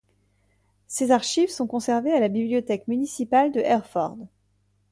Ses archives sont conservées à la bibliothèque municipale de Hereford.